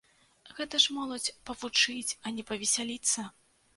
Гэта ж моладзь павучыць, а не павесяліцца!